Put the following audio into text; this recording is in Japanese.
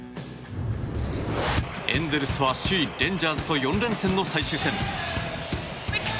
エンゼルスは首位レンジャーズと４連戦の最終戦。